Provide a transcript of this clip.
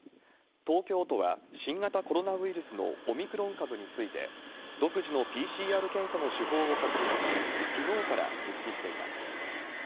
東京都は新型コロナウイルスのオミクロン株について、独自のＰＣＲ検査の手法を確立し、きのうから実施しています。